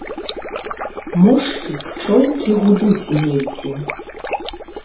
Мошкі, пчолкі гудуць недзе.